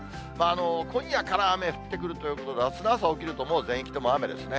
今夜から雨降ってくるということで、あすの朝、起きるともう全域とも雨ですね。